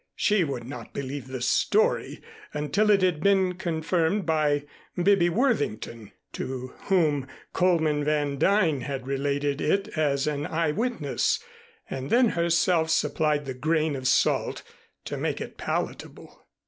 She would not believe the story until it had been confirmed by "Bibby" Worthington to whom Coleman Van Duyn had related it as an eye witness, and then herself supplied the grain of salt to make it palatable.